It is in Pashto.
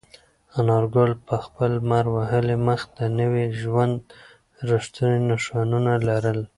انارګل په خپل لمر وهلي مخ د نوي ژوند رښتونې نښانونه لرل.